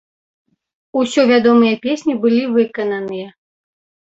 Усё вядомыя песні былі выкананыя.